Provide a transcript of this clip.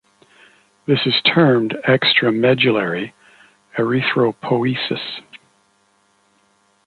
This is termed "extramedullary erythropoiesis".